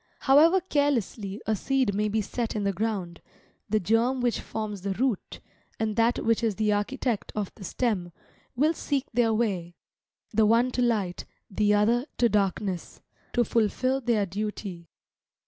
However carelessly a seed may be set in the ground, the germ which forms the root, and that which is the architect of the stem, will seek their way the one to light, the other to darkness to fulfil their duty.